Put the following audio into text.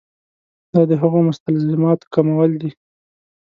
دا د هغو مستلزماتو کمول دي.